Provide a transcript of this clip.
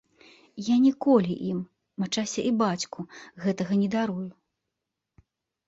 Я ніколі ім, мачасе і бацьку, гэтага не дарую.